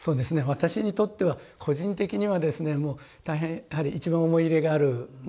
私にとっては個人的にはですねもう大変やはり一番思い入れがあるものですね。